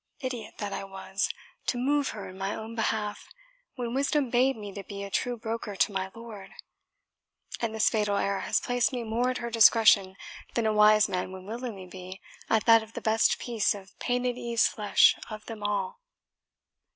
Idiot that I was, to move her in my own behalf, when wisdom bade me be a true broker to my lord! And this fatal error has placed me more at her discretion than a wise man would willingly be at that of the best piece of painted Eve's flesh of them all.